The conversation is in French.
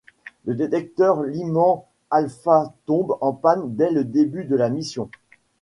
Le détecteur Lyman-Alpha tombe en panne dès le début de la mission.